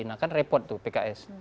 nah kan repot tuh pks